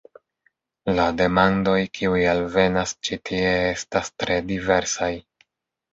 La demandoj kiuj alvenas ĉi tie estas tre diversaj.